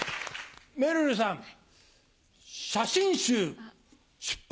めるるさん写真集出版